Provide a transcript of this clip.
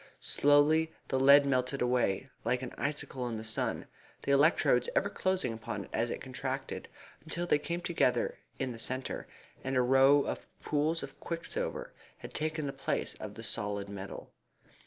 Slowly the lead melted away, like an icicle in the sun, the electrodes ever closing upon it as it contracted, until they came together in the centre, and a row of pools of quicksilver had taken the place of the solid metal.